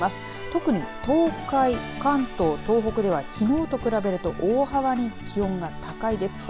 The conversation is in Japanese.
特に、東海、関東、東北ではきのうと比べると大幅に気温が高いです。